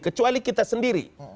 kecuali kita sendiri